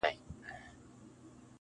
• پکښي ناست به د ناحقه شاهدان ول -